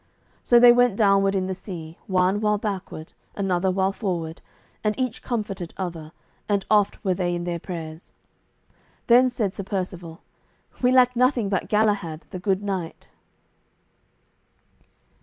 So went they downward in the sea, one while backward, another while forward, and each comforted other, and oft were they in their prayers. Then said Sir Percivale, "We lack nothing but Galahad, the good knight."